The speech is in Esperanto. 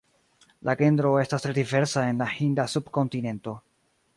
La genro estas tre diversa en la Hinda subkontinento.